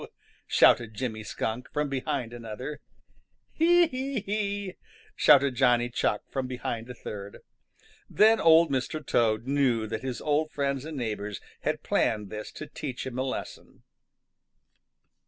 shouted Jimmy Skunk from behind another. "Hee, hee, hee!" shouted Johnny Chuck from behind a third. Then Old Mr. Toad knew that his old friends and neighbors had planned this to teach him a lesson.